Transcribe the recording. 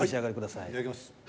はいいただきます。